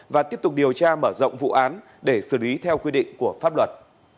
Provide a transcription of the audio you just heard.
và tiếp tục điều tra mở rộng vụ án để xử lý theo quy định của pháp luật